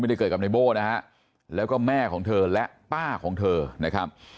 ได้เกิดกับในโบ้นะฮะแล้วก็แม่ของเธอและป้าของเธอนะครับ